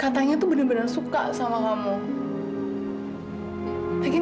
tanya bunuh diri gara gara aku